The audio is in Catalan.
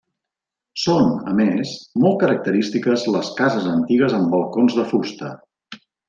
Són, a més, molt característiques les cases antigues amb balcons de fusta.